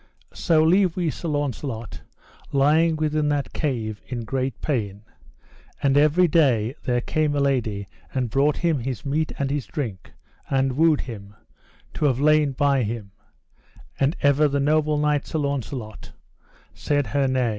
So leave we Sir Launcelot lying within that cave in great pain; and every day there came a lady and brought him his meat and his drink, and wooed him, to have lain by him; and ever the noble knight, Sir Launcelot, said her nay.